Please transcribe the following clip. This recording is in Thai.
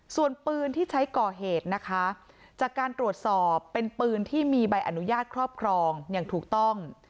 ส่วนปืนที่ใช้ก่อเหตุนะคะจากการตรวจสอบเป็นปืนที่มีใบอนุญาตครอบครองอย่างถูกต้อง